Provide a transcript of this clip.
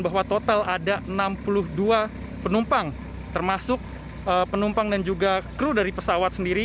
bahwa total ada enam puluh dua penumpang termasuk penumpang dan juga kru dari pesawat sendiri